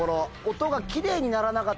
音が。